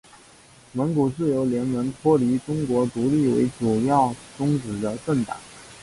蒙古自由联盟党脱离中国独立为主要宗旨的政党。